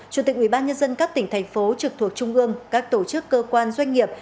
chủ tịch ubnd các tỉnh thành phố trực thuộc trung ương các tổ chức cơ quan doanh nghiệp